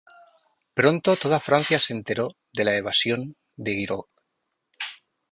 Pronto toda Francia se enteró de la evasión de Giraud.